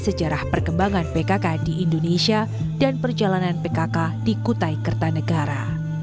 sejarah perkembangan pkk di indonesia dan perjalanan pkk di kutai kertanegara